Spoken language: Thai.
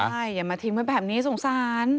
ใช่อย่ามาทิ้งไว้แบบนี้สงสาร